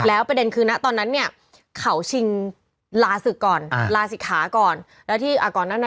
แล้วประเด็นคือน่ะตอนนั้นเนี่ยเขาชิงลาสิกก่อนลาสิกฮาก่อน